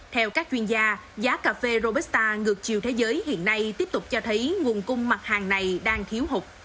theo các chuyên gia giá cà phê robusta ngược chiều thế giới hiện nay tiếp tục cho thấy nguồn cung mặt hàng này đang thiếu hụt